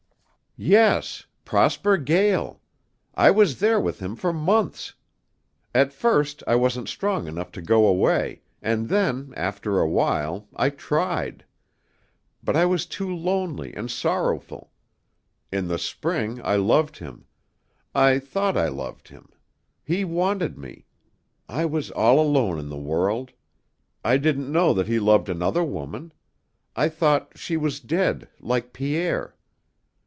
"Yes. Prosper Gael. I was there with him for months. At first I wasn't strong enough to go away, and then, after a while, I tried. But I was too lonely and sorrowful. In the spring I loved him. I thought I loved him. He wanted me. I was all alone in the world. I didn't know that he loved another woman. I thought she was dead like Pierre.